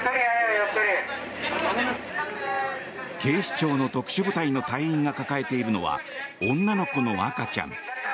警視庁の特殊部隊の隊員が抱えているのは女の子の赤ちゃん。